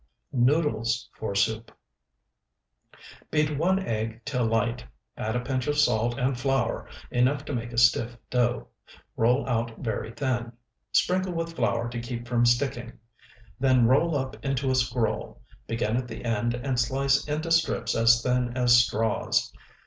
NOODLES FOR SOUP Beat one egg till light, add a pinch of salt and flour enough to make a stiff dough. Roll out very thin; sprinkle with flour to keep from sticking. Then roll up into a scroll, begin at the end, and slice into strips as thin as straws.